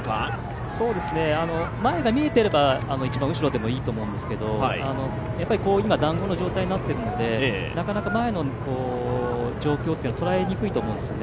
前が見えていれば一番後ろでもいいと思うんですけど、今、だんごの状態になっているのでなかなか前の状況が捉えにくいと思うんですね。